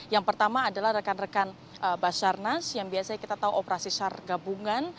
yang pertama adalah rekan rekan basarnas yang biasanya kita tahu operasi sar gabungan